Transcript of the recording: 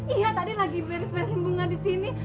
iya tadi lagi beres beresin bunga disini